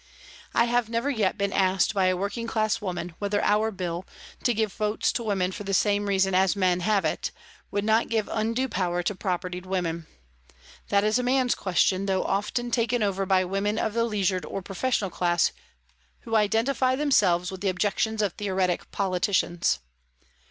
I have never yet been asked by a working class woman whether our Bill, to give votes to women for the same reason as men have it, would not give undue power to propertied women. That is a man's question, though often taken over by women of the leisured or professional class who identify them selves with the objections of theoretic politicians.